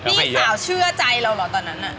พี่สาวเชื่อใจเราเหรอตอนนั้นน่ะ